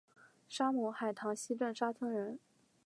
沙孟海塘溪镇沙村人。